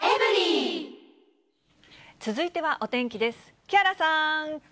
続いてはお天気です。